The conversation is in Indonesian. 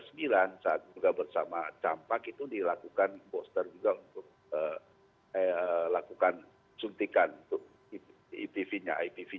saat juga bersama campak itu dilakukan imposter juga untuk lakukan suntikan untuk ipv nya